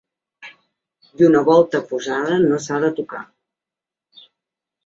I una volta posada no s’ha de tocar.